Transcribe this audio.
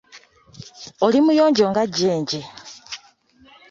Oli muyonjo nga jjenje.